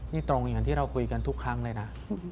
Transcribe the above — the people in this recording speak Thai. นี่ตรงอย่างที่เราคุยกันทุกครั้งเลยนะ